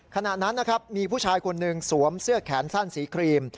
ขณะนั้นนะครับมีผู้ชายคนหนึ่งสวมเสื้อแขนสั้นสีครีม